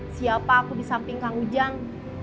siapa aku di samping kang ujang